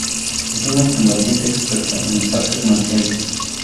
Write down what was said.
Es una combatiente experta en las artes marciales.